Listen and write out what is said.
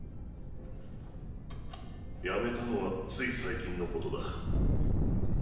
辞めたのはつい最近のことだ。